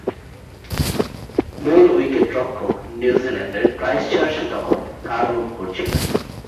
মূল উইকেট-রক্ষক নিউজিল্যান্ডের ক্রাইস্টচার্চে তখন কারাভোগ করছিলেন।